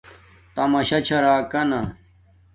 تماشا چھا راکانا